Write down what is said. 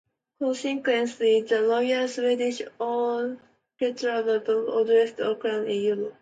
Consequently, the Royal Swedish Orchestra is one of the oldest orchestras in Europe.